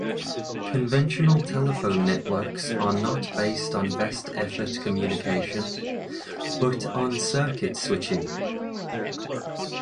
Conventional telephone networks are not based on best-effort communication, but on circuit switching.